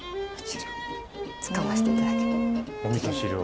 こちら使わせていただきます。